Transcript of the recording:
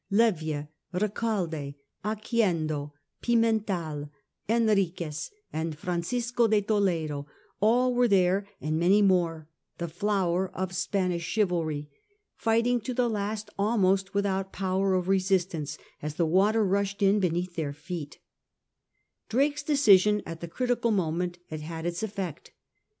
Ley va, Eecalde, Oquendo, Pimental, Enriquez, and Francisco de Toledo, all were there and many more, the flower of Spanish chivalry, fighting to the last almost without power of resiistance as the water rushed in beneath their feet Drake's decision at the critical moment had had its efliBct.